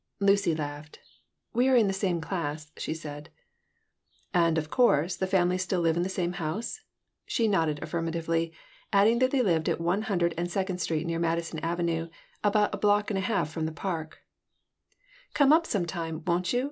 Lucy laughed. "We are in the same class," she said "And, of course, the families still live in the same house?" She nodded affirmatively, adding that they lived at One Hundred and Second Street near Madison Avenue, about a block and a half from the Park "Come up some time, won't you?"